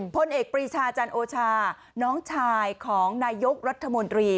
พลเอกปรีชาจันโอชาน้องชายของนายกรัฐมนตรี